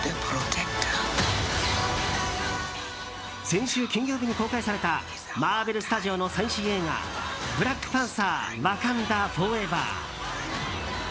先週金曜日に公開されたマーベル・スタジオの最新映画「ブラックパンサー／ワカンダ・フォーエバー」。